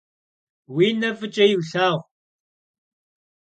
Vui ne f'ıç'e yilhağu!